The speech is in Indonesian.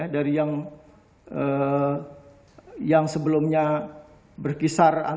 dari yang sebelumnya berkisar antara